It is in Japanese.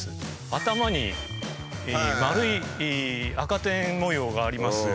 頭に丸い赤点模様があります